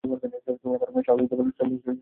তিনি আবার স্বাভাবিক জীবনের ছন্দে ফিরে আসবেন।